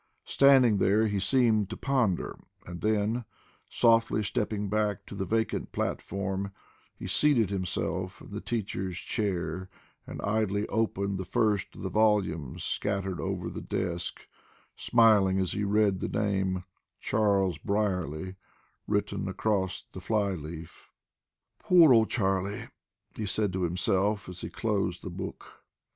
Standing there he seemed to ponder, and then, softly stepping back to the vacant platform, he seated himself in the teacher's chair and idly opened the first of the volumes scattered over the desk, smiling as he read the name, Charles Brierly, written across the fly leaf. "Poor old Charley," he said to himself, as he closed the book.